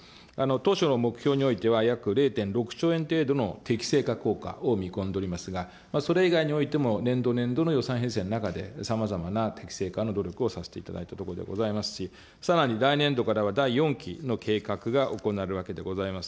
当初の目標においては、約０．６兆円程度の適正化効果見込んでおりますが、それ以外においても、年度、年度の予算編成の中でさまざまな適正化の努力をさせていただいているところでございますし、さらに、来年度からは第４期の計画が行われるわけでございます。